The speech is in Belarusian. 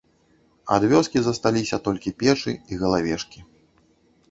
Ад вёскі засталіся толькі печы і галавешкі.